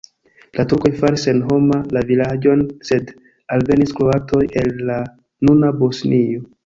La turkoj faris senhoma la vilaĝon, sed alvenis kroatoj el la nuna Bosnio.